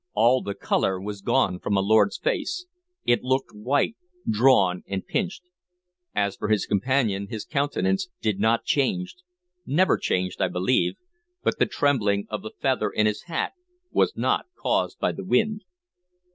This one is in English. All the color was gone from my lord's face, it looked white, drawn, and pinched; as for his companion, his countenance did not change, never changed, I believe, but the trembling of the feather in his hat was not caused by the wind.